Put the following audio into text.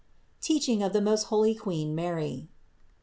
TEACHING OF THE MOST HOLY QUEEN MARY.